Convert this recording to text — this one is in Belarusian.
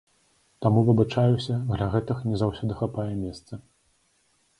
Таму, выбачаюся, для гэтых не заўсёды хапае месца.